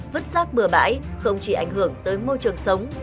vứt rác bừa bãi không chỉ ảnh hưởng tới môi trường sống